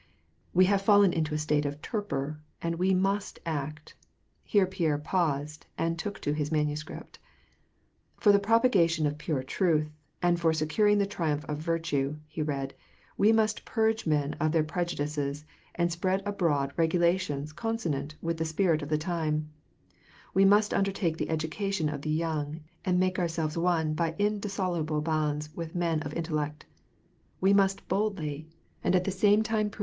We have fallen into a state of torpor, and we must act." — Here Pierre paused and took to his manuscript. " For the propagation of pure truth, and for securing the triumph of virtue," he read, " we must purge men of their pre judices, and spread abroad regulations consonant with the spirit of the time ; we must undertake the education of the young, and make ourselves one by indissoluble bonds with men of intellect ; we must boldly, and at the same time pru WAR AND PEACE.